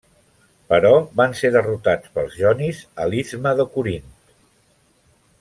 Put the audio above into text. Però van ser derrotats pels jonis a l'istme de Corint.